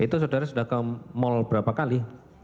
itu saudara sudah ke mall berapa kali